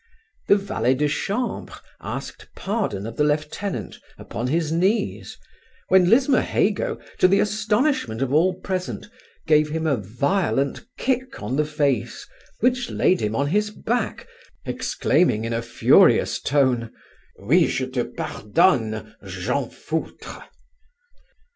The valet de chambre asked pardon of the lieutenant upon his knees, when Lismahago, to the astonishment of all present, gave him a violent kick on the face, which laid him on his back, exclaiming in a furious tone, 'Oui je te pardonne, gens foutre.